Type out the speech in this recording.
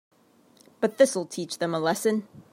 But this'll teach them a lesson.